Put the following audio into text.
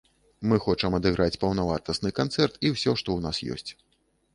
Мы хочам адыграць паўнавартасны канцэрт і ўсё, што ў нас ёсць.